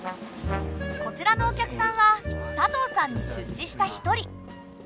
こちらのお客さんは佐藤さんに出資した一人。